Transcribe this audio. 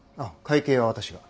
会計は私が。